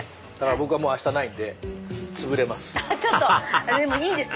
僕は明日ないんでつぶれます。